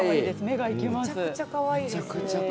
めちゃくちゃかわいい。